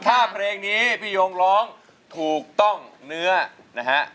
ถ้าเพลงนี้พี่โยงร้องถูกต้องเนื้อนะฮะ